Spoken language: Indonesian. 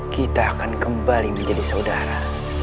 kita akan kembali menjadi saudara